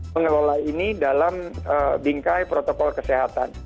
mengelola ini dalam bingkai protokol kesehatan